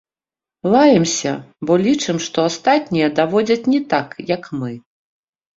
Лаемся, бо лічым, што астатнія даводзяць не так, як мы!